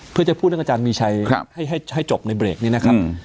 เพื่อจะพูดเรื่องอาจารย์มีชัยให้จบในเบรกนี้นะครับ